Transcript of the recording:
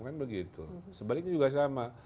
kan begitu sebaliknya juga sama